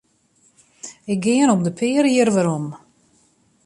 Ik gean om de pear jier werom.